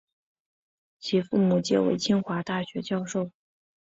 其父母皆为清华大学教授。